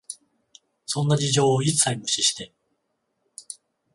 そんな事情を一切無視して、